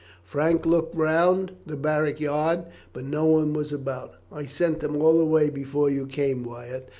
Frank looked round the barrack yard, but no one was about. "I sent them all away before you came, Wyatt.